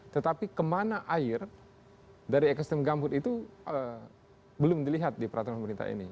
tetapi kemana air dari ekosistem gambut itu belum dilihat di peraturan pemerintah ini